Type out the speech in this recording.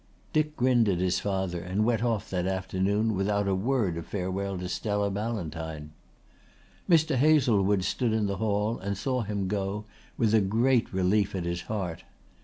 Dick grinned at his father and went off that afternoon without a word of farewell to Stella Ballantyne. Mr. Hazlewood stood in the hall and saw him go with a great relief at his heart.